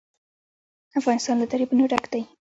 افغانستان له دریابونه ډک دی.